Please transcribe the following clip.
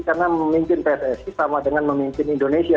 karena memimpin pssi sama dengan memimpin indonesia